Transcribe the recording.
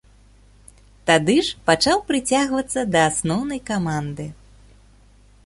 Тады ж пачаў прыцягвацца да асноўнай каманды.